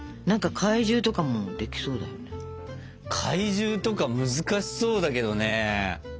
怪獣とか難しそうだけどね。